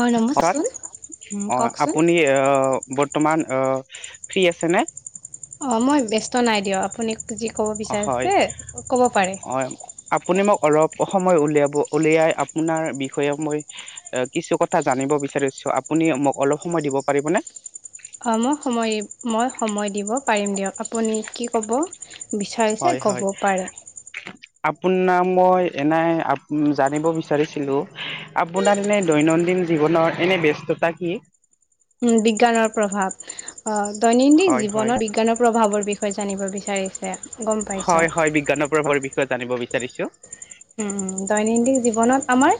অ নমস্কাৰ ঘৰত উম অ' কওকচোন। আপুনি অ বৰ্তমান অ ফ্ৰী আছেনে অ মই ব্যস্ত নাই দিয়ক। আপুনি যি ক'ব হয় বিচাৰিছে, ক'ব পাৰে। অ' আপুনি মোক অলপ সময় উলিয়াব। উলিয়াই আপোনাৰ বিষয়ে মই এ' কিছু কথা জানিব বিচাৰিছোঁ আপুনি মোক অলপ সময় দিব পাৰিবনে অ মই সময়, মই সময় দিব পাৰিম দিয়ক আপুনি কি ক'ব বিচাৰিছে হয়, ক'ব হয়। [unintelligible] আপোনাৰ মই এনেই আপ উম, জানিব বিচাৰিছিলোঁ। আপোনাৰ এনেই দৈনন্দিন জীৱনৰ এনে ব্যস্ততা কি? উম বিজ্ঞানৰ প্ৰভাৱ অ দৈনন্দিন হয় হয় জীৱনত বিজ্ঞানৰ প্ৰভাৱৰ বিষয়ে জানিব বিচাৰিছে গম পাইছোঁ হয়, হয় বিজ্ঞানৰ প্ৰভাৱৰ বিষয়ে জানিব বিচাৰিছোঁ। উম, দৈনন্দিন জীৱনত আমাৰ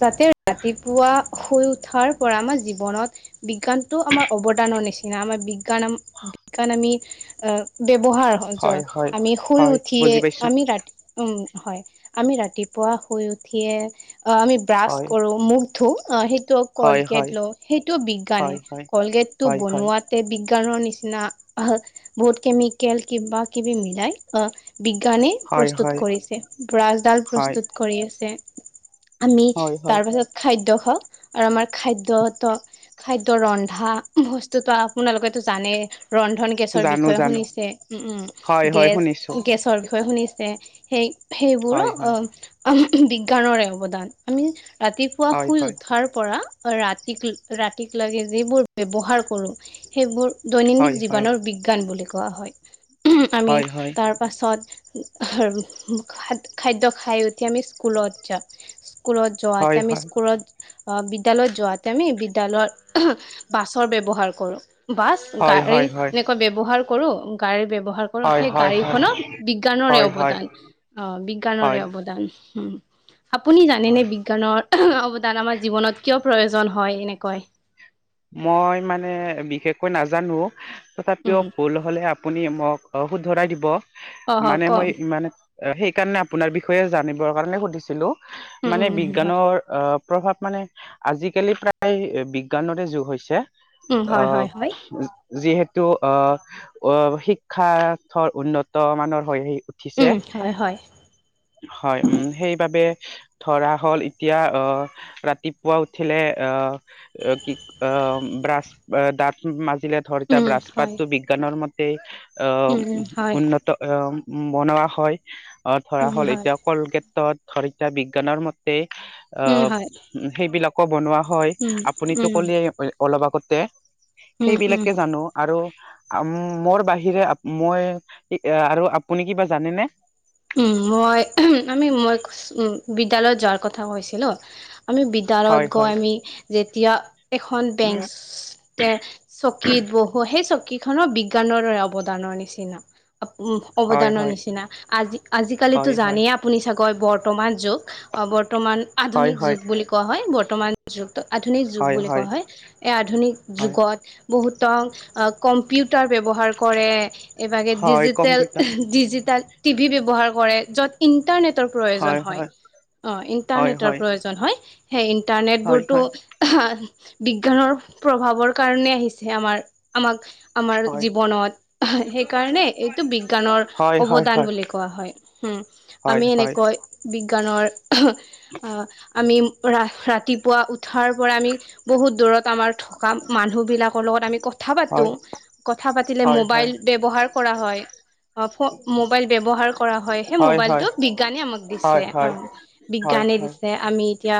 যাতে ৰাতিপুৱা শুই উঠাৰ পৰা আমাৰ জীৱনত বিজ্ঞানটো আমাৰ অৱদানৰ নিচিনা, আমাৰ বিজ্ঞান, বিজ্ঞান আমি আ ব্যৱহাৰ হয়, যয় হয় আমি শুই হয় উঠিয়ে বুজি পাইছো আমি ৰাতি উম হয়, আমি ৰাতিপুৱা শুই উঠিয়ে আ আমি ব্ৰাছ হয় কৰো মুখ ধুও সেইটোও হয় কলকেট হয় হয় লও সেইটোও বিজ্ঞানে। হয় হয় কলকেটটো হয় হয় বনোৱাত তাতে বিজ্ঞানৰ নিচিনা অহ বহুত কেমিকেল কিবা কিবি মিলাই অ' বিজ্ঞানে হয় প্ৰস্তুত হয় কৰিছে ব্ৰাছডাল হয় প্ৰস্তুত কৰি আছে আমি হয় হয় তাৰপাছত খাদ্য খাওঁ, আৰু আমাৰ খাদ্য‌তো খাদ্য ৰন্ধা বস্তুতো আপোনালোকেটো জানে ৰন্ধন গেছৰ জানো বিষয়ে জানো শুনিছে। ওম, হয় ওম হয় গেছ শুনিছো গেছৰ বিষয়ে শুনিছে সেই, সেইবোৰো হয় অ হয় অহ বিজ্ঞানৰে অৱদান আমি ৰাতি পুৱা হয় শুই হয় উঠাৰ পৰা ৰাতিক, ৰাতিক লৈকে যিবোৰ ব্যৱহাৰ কৰোঁ সেইবোৰ হয় দৈনিন্দিন হয় জীৱনৰ বিজ্ঞান বুলি কোৱা হয়। আমি হয় তাৰ পাছত খাদ খাদ্য খাই উঠি আমি স্কুলত যাওঁ, স্কুলত যোৱাতে হয় আমি হয় স্কুলত অ বিদ্যালয়ত যোৱাতে আমি বিদ্যালয় বাছৰ ব্যৱহাৰ কৰোঁ। বাছ হয় হয় গাড়ী হয় হয় এনেকুৱা ব্যৱহাৰ কৰোঁ গাড়ী ব্যৱহাৰ কৰোঁ হয় সেই হয় হয় গাড়ীখনক বিজ্ঞানৰে হয় হয় অৱদান। অ' বিজ্ঞানৰে হয় অৱদান হম্। আপুনি হয় জানেনে বিজ্ঞানৰ অৱদান আমাৰ জীৱনত কিয় প্ৰয়োজন হয় এনেকৈ? মই মানে বিশেষকৈ নাজানো, তথাপিও উম ভুল হলে আ আপুনি মোক অ শুধৰাই দিব। অ হ মানে ক মই ইমান সেইকাৰণে অপোনাৰ বিষয়ে জানিবৰ কাৰণে সুধিছিলো। উম মানে উম উম হয় বিজ্ঞানৰ অ, প্ৰভাৱ মানে আজিকালি প্ৰায় বিজ্ঞানৰে যুগ হৈছে। উম হয় হয় হয় অ'। যিহেতু আহ, অ, শিক্ষাৰ্থৰ উন্নত মানৰ হৈ আহ উঠিছে। উম হয় হয় হয়, উম, সেইবাবে ধৰা হ'ল এতিয়া অহ, ৰাতিপুৱা উঠিলে অহ কি অ, ব্ৰাছ দাঁত মাজিলে, ধৰ এটিয়া উম ব্ৰাছ হয় পাতটো বিজ্ঞানৰ ম সেই আহ, উম উম হয় উন্নত আহ, বনোৱা হয়। আহ, ধৰা উম হ'ল হয় এতিয়া কলগেটত ধৰ এতিয়া বিজ্ঞানৰ মতে অ উম হয় সেইবিলাক ক বনোৱা হয়, উম আপুনিতো উম ক'লে অলপ আগতে উম উম সেইবিলাকে জানো। আৰু মোৰ বাহিৰে মই আৰু আপুনি কিবা জানেনে? উম, মই আমি মই উ, বিদ্যালয়ত যোৱাৰ কথা কৈছিলো। আমি বি যাৰ লগট হয় গৈ হয় আমি যেতিয়া এখন উম বেঞ্চ তে চকীত বহো সেই চকীখনৰ বিজ্ঞানৰ দৰে অৱদানৰ নিচিনা। হয় অৱদানৰ হয় নিচিনা আজি আজিকালিতো হয় হয় জানেই আপুনি চাগৈ বৰ্তমান যুগ অ বৰ্তমান হয় আধুনিক হয় যুগ বুলি কোৱা হয়। বৰ্তমান যুগ, আধুনিক যুগ বুলি কোৱা হয়। এই আধুনিক হয় যুগত বহুতক অ কম্পিউটাৰ ব্যৱহাৰ কৰে। এইভাগে হয় ডিজিটেল, কম্পিউটাৰ ডিজিটেল টিভি ব্যৱহাৰ কৰে য'ত ইণ্টাৰনেটৰ প্ৰয়োজন হয় অ, হয় ইণ্টাৰনেটৰ হয় প্ৰয়োজন হয়। সেই হয় ইণ্টাৰনেটবোৰতো [unintelligible] বিজ্ঞানৰ প্ৰভাৱৰ কাৰণে আহিছে আমাৰ। আমাক আমাৰ হয় জীৱনত সেইকাৰণে এইটো বিজ্ঞানৰ হয় হয় হয় অৱদান বুলি হয় কোৱা হয়। হুম, আমি হয় হয় এনেকৈ বিজ্ঞানৰ অ, আমি ৰা-ৰাতিপুৱা উঠাৰ পৰা আমি বহুত দূৰত আমাৰ থকা মানুহবিলাকৰ লগত আমি কথা পাতো। হয় কথা পাতিলে হয় হয় মবাইল ব্যৱহাৰ কৰা হয়। অ, ফ মোবাইল ব্যৱহাৰ কৰা হয় সেই মোবাইলটো বিজ্ঞানে আমাক দিছে হয় অ, হয় বিজ্ঞানে হয় দিছে। আমি এতিয়া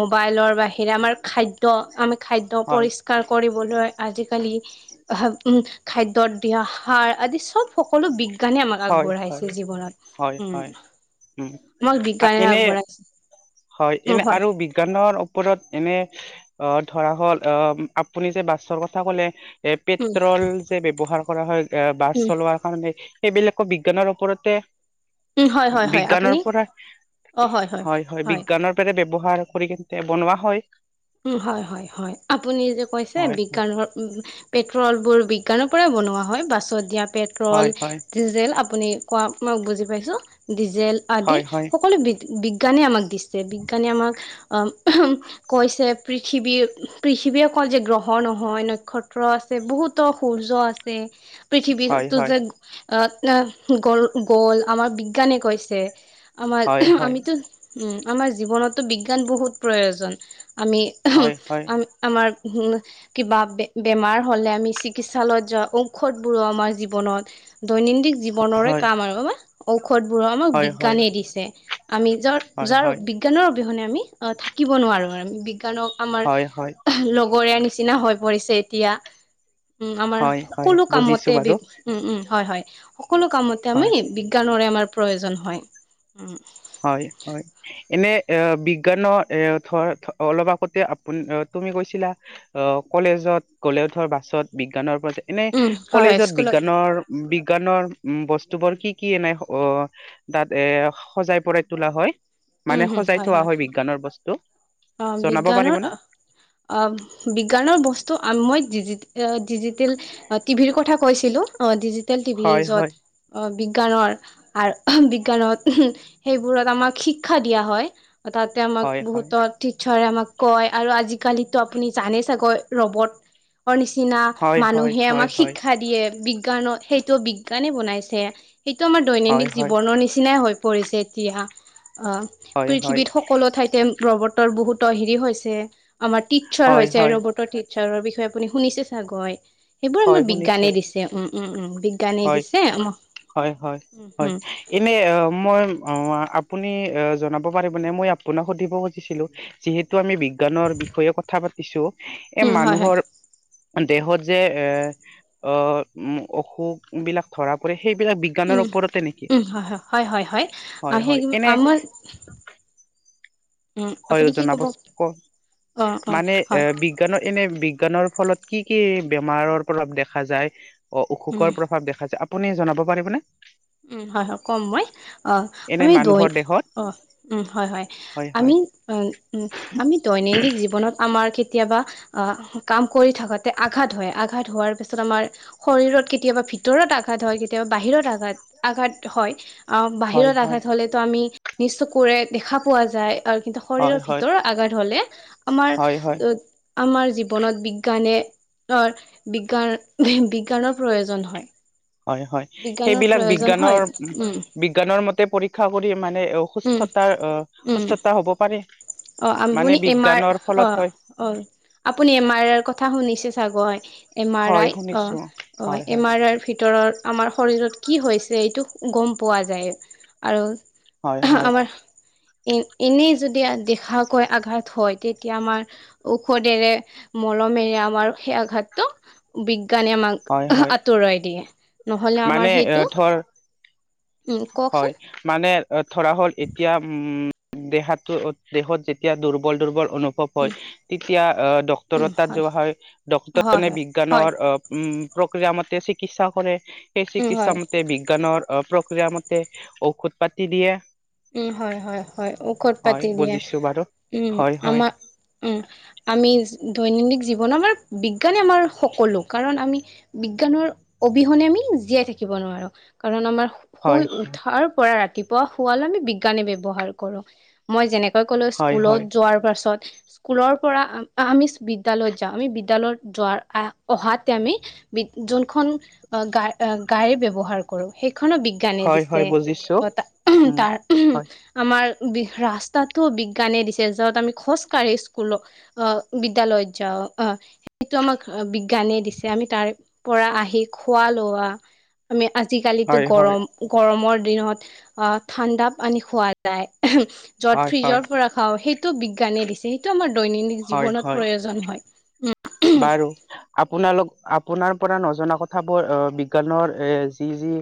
মোবাইলৰ বাহিৰে আমাৰ খাদ্য, আমি খাদ্য পৰিষ্ কাৰ কৰিবলৈ আজিকালি [unintelligible] খাদ্যয়ত বিয়াহ সাৰ আদি সব সকলো বিজ্ঞানে আমাক আগ হয় আগবঢ়াইছে জীৱনত হয় হয় উম, হয় উম আমাক বিজ্ঞানে এনে আগবঢ়াইছে। হয়, এনে আৰু বি বিজ্ঞানৰ ওপৰত এনে অহ, ধৰা হ'ল আহ আপুনি যে বাছৰ কথা ক'লে এ, উম পেট্ৰল যে ব্যৱহাৰ কৰা হয়, এ বাছ উম চলোৱাৰ কাৰণে। সেইবিলাকো বিজ্ঞানৰ ওপৰতে উম হয় হয় হয় বিজ্ঞানৰ আপুনি পৰা হয়, হয় বি [unintelligible] ব্যৱহাৰ কৰি কেনে বনোৱা হয়। উম হয়, হয়, হয়, আপুনিযে কৈছে হয় বিজ্ঞানৰ পেট্ৰলবোৰ বিজ্ঞানৰ পৰাই বনোৱা হয় বাছত দিয়া পেট্ৰল, হয় হয় ডিজেল আপুনি কক মই বুজি পাইছো। ডিজেল আদি হয় হয় সকলো বি-বিজ্ঞানে আমাক দিছে, বিজ্ঞানে আমাক [unintelligible] কৈছে পৃথিৱীৰ, পৃথিৱীয়ে কয় যে গ্ৰহ নহয়, নক্ষত্ৰ আছে, বহুতো সূৰ্য আছে। [inaudible] হয় পৃথিৱীতটো হয় যে এ, এ, গল, গল আমাৰ বিজ্ঞানে কৈছে। আমাৰ, হয় হয় আমিতো, উম, আমাৰ জীৱনতো বিজ্ঞান বহুত প্ৰয়োজন আমি হয় হয় [unintelligible] আমাৰ হুম কিবা বেমাৰ হলে আমি চিকিৎসালয়ত যা ঔষধ বোৰো আমাৰ জীৱনত দৈনন্দিন জীৱনৰৰে কাম আৰু হয় না ঔষধ বোৰো আমাক হয় হয় বিজ্ঞানে দিছে আমি যাত হয় হয় যাৰ বিজ্ঞানৰ অবিহনে আমি অ থাকিব নোৱাৰোঁ আৰু বিজ্ঞানক আমাৰ হয় হয় লগৰীয় নিচিনা হৈ পৰিছে এতিয়া উম আমাৰ হয় হয় সকলো বুজিছো কামতে বি বাৰু উম উম হয় হয় সকলো কামতে আমি হয় বিজ্ঞানৰে আমাৰ প্ৰয়োজন হয় উ হয় হয় এনে এ বিজ্ঞানৰ এ ধৰ অলপ আগতে আপুনি তুমি কৈছিলা আহ কলেজত গলে ধৰ বাছত বিজ্ঞানৰ পৰা এনে উম হয় হয় কলেজত স্কুলত বিজ্ঞানৰ বিজ্ঞানৰ উ বস্তু বোৰ কি কি এনাই অ তাত এ সজাই পৰাই তোলা হয় মানে সজাই থোৱা হয় বিজ্ঞানৰ বস্তু অ জনাব বিজ্ঞানৰ পাৰিবনে অ অ বিজ্ঞানৰ বস্তু মই ডিজি ডিজিটেল টিভিৰ কথা কৈছিলো অ ডিজিটেল টিভি হয় হয় য'ত অ বিজ্ঞানৰ আৰু বিজ্ঞানত সেইবোৰত আমাক শিক্ষা দিয়া হয় তাতে আমাক হয় হয় বহুতত টিচাৰে আমাক কয় আৰু আজিকালিতো আপুনি জানে চাগৈ ৰবট নিচিনা হয় হয় মানুহে হয় আমাক হয় শিক্ষা দিয়ে বিজ্ঞানৰ সেইটো বিজ্ঞানে বনাইছে সেইটো আমাৰ হয় দৈনন্দিন হয় জীৱনৰ নিচিনাই হৈ পৰিছে এতিয়া অ হয় হয় পৃথিৱীত সকলো ঠাইতে ৰবটৰ বহুত হেৰি হৈছে আমাৰ টিট চাৰ হয় হৈছে হয় ৰ'বটৰ টিচাৰৰ বিষয়ে আপুনি শুনিছে চাগৈ সেইবোৰ হয় আমাৰ শুনিছো বিজ্ঞানে দিছে উম উম উম বিজ্ঞানে হয় দিছে উম উম আপুনি মই আপুনি জনাব পাৰিবনে মই আপোনাক সুধিব খুজিছিলো যিহেতু আমি বিজ্ঞানৰ বিষয়ে কথা পাতিছো এ উম হয় হয় মানুহৰ দেহত যে এ অ অসুখ বিলাক ধৰা পৰে সেইবিলাক বি জ্ঞানৰ উম ওপৰতে নেকি উম হয় হয় হয় হয় হয় হয় সেই এনে আমাৰ উম হয় হয় আপুনি কি ক'ব জনাবছোন ক'ক অ অ মানে এ হয় বি বিজ্ঞানৰ এনে বিজ্ঞানৰ ফলত কি কি বেমাৰৰ প্ৰভাৱ দেখা যায় অ উম অসুখৰ প্ৰভাৱ দেখা যায় আপুনি জনাব পাৰিবনে উম হয় হয় কম মই অ এনে আমি দৈ মানুহৰ দেহত অ উম হয় হয় আমি উ আমি দৈনন্দিন জীৱনত আমাৰ কেতিয়াবা আহ কাম কৰি থাকোতে আঘাত হয় আঘাত হোৱাৰ পিছত আমাৰ শৰীৰত কেতিয়াবা ভিতৰত আঘাত হয় কেতিয়াবা বাহিৰত আঘাত আঘাত হয় আ হয় বাহিৰত হয় আঘাত হলেতো আমি নিজ চকুৰে দেখা পোৱা যায় আৰু কিন্তু হয় শৰীৰৰ হয় ভিতৰৰ আগাত হলে হয় হয় আমাৰ আমাৰ জীৱনত বিজ্ঞানে অ বিজ্ঞা বিজ্ঞানৰ প্ৰয়োজন হয় হয় হয় বিজ্ঞানৰ সেইবিলাক প্ৰয়োজন বিজ্ঞানৰ হয়, উম। বিজ্ঞানৰ মতে পৰীক্ষা কৰি মানে উম, সুস্থতাৰ অ উম, সুস্থতা হ'ব পাৰে মানে আপুনি এম আৰ বিজ্ঞানৰ অ ফলত হয় অ আপুনি এম আৰৰ কথা শুনিছে চাগৈ এম আৰ হয় আই অঁ শুনিছো অঁ হয় হয় এম আৰ আইৰ ভিতৰৰ আমাৰ শৰীৰত কি হৈছে এইটো গম পোৱা যায় আৰু হয় হয় আমাৰ এ এনেই যদি দেখাকৈ আঘাত হয় তেতিয়া আমাৰ ঔষধেৰে মলমেৰে আমাৰ সেই আঘাতটো বিজ্ঞানে আমাক হয় হয় আঁতৰাই দিয়ে নহলে মানে আমাৰ সেইটো ধৰ উম, হয় কওকচোন মানে ধৰা হ'ল এতিয়া উম দেহাটোত দেহত যেতিয়া দুৰ্বল দুৰ্বল অনুভৱ হয় উম, তেতিয়া আহ ডক্টৰৰ তাত যোৱা হয় ডক্টৰ হয়, তাৰমানে হয়, হয়, বিজ্ঞানৰ অ উম প্ৰক্ৰিয়া মতে চিকিৎসা কৰে সেই উম, চিকিৎসা হয়। মতে বিজ্ঞানৰ অ প্ৰক প্ৰক্ৰিয়া মতে ঔষধ পাতি দিয়ে উম হয় হয় হয় ঔষধ হয় পাতি দিয়ে বুজিছো বাৰু উম হয় হয় আমাৰ উম আমি দৈনন্দিন জীৱন আমাৰ বিজ্ঞানে আমাৰ সকলো কাৰণ আমি বিজ্ঞানৰ অবিহনে আমি জীয়াই থাকিব নোৱাৰো কাৰণ আমাৰ শুই হয় উঠাৰ পৰা ৰাতিপুৱা শুৱালে আমি বিজ্ঞানে ব্যবহাৰ কৰো মই যেনেকৈ ক'লো হয় স্কুলত হয় যোৱাৰ পাছত স্কুলৰ পৰা আমি বিদ্যালয়ত যাওঁ আমি বিদ্যালয়ত যোৱাৰ আ অহাতে আমি বিগ যোনখন গা গাড়ী ব্যৱহাৰ কৰো সেইখনো বিগ বিজ্ঞানে হয় দিছে হয় বুজিছো অ তা উম তাৰ হয় আমাৰ বি ৰাস্তাটো বিজ্ঞানে দিছে য'ত আমি খোজকাঢ়ি স্কুলক অ বিদ্যালয়ত যাও অ সেইটো আমাক বিজ্ঞানে দিছে আমি তাৰ পৰা আহি খোৱা লোৱা আমি আজিকালিতো হয় হয় গৰম গৰমৰ দিনত আ ঠাণ্ডা পানি খোৱা যায় য'ত হয় হয় ফ্ৰিজৰ পৰা খাওঁ সেইটো বিজ্ঞানে দিছে সেইটো আমাৰ দৈনন্দিন হয় জীৱনত হয় প্ৰয়োজন হয় উম বাৰু আপোনালোক আপোনাৰ পৰা নজনা কথাবোৰ অহ বিজ্ঞানৰ এ যি যি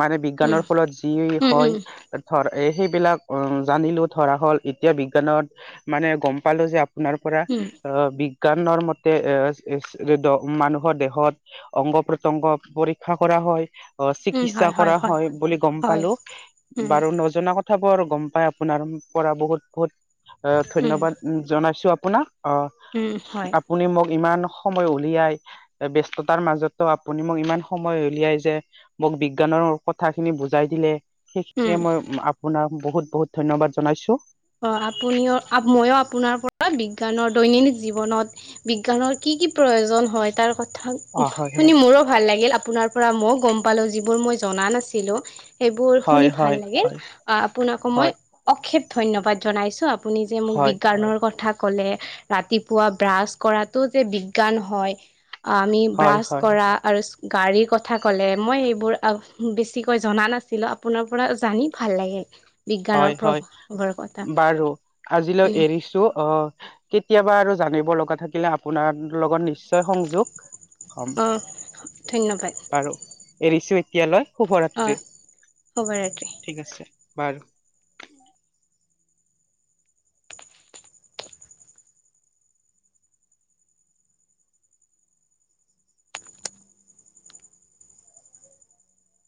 মানে উম বিজ্ঞানৰ ফলত যি উম হয় উম ধৰ সেইবিলাক জানিলো ধৰা হ'ল এতিয়া বিজ্ঞানত মানে গম পালো যে আপ আপোনাৰ পৰা উম অ বিজ্ঞানৰ মত এ এচ এচ এদ মানুহৰ দেহত অংগ প্ৰত্ংগ পৰীক্ষা কৰা হয় অ চিকিৎসা কৰা হয় বুলি গম হয় পালো উম বাৰু নজনা কথাবোৰ গম পাই আপোনাৰ পৰা বহুত বহুত অ উম ধন্যবাদ জনাইছো আপোনাক অহ উম হয় আপ আপুনি মোক ইমান সময় উলিয়াই ব্যস্ততাৰ মাজতো আপুনি মোক ইমান সময় উলিয়াই যে মোক বিজ্ঞানৰ কথা খিনি বুজাই দিলে উম সেইখিনিয়ে মই আপোনাক বহুত বহুত ধন্যবাদ জনাইছো অ আপুনিও মইয়ো আপোনাৰ পৰা বিজ্ঞানৰ দৈনন্দিন জীৱনত বিজ্ঞানৰ কি কি প্ৰয়োজন হয় তাৰ কথা অ হয় হয় শুনি মোৰো ভাল লাগিল আপোনাৰ পৰা মই গম পালো যিবোৰ মই জনা নাছিলো সেইবোৰ শুনি হয় ভাল লাগিল হয় আপোনাকো মই হয় অক্ষেপ ধন্যবাদ জনাইছো আপুনি যে হয় মোক হয় বিজ্ঞানৰ কথা কলে ৰাতিপুৱা ব্ৰাছ কৰাতটো যে বিজ্ঞান হয় আহ আমি হয় ব্ৰাছ হয় কৰা আৰু গাড়ীৰ কথা ক'লে মই এইবোৰ আ বেছিকৈ জনা নাছিলো আপোনাৰ পৰা জানি ভাল লাগিল হয় বিজ্ঞানৰ হয় প্ৰভাৱ বাৰু আজিলৈ এৰিছো অ কেতিয়াবা আৰু জানিব লগা থাকিলে আপোনাৰ লগত নিশ্ নিশ্চয় সংযোগ হম অ', ধন্যবাদ বাৰু এৰিছো এতিয়ালৈ অ', শুভৰাত্ৰি শুভৰাত্ৰি। ঠিক আছে বাৰু